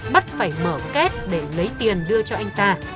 bắt phải mở két để lấy tiền đưa cho anh ta